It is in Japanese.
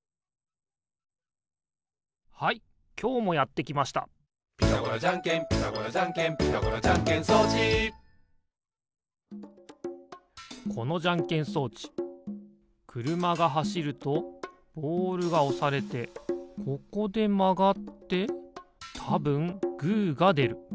はいきょうもやってきました「ピタゴラじゃんけんピタゴラじゃんけん」「ピタゴラじゃんけん装置」このじゃんけん装置くるまがはしるとボールがおされてここでまがってたぶんグーがでる。